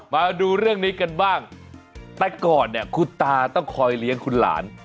มาดูเรื่องนี้กันบ้างแต่ก่อนเนี่ยคุณตาต้องคอยเลี้ยงคุณหลาน